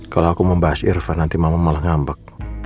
kalau aku membahas irfan nanti mama malah ngambek